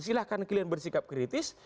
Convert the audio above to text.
silahkan kalian bersikap kritis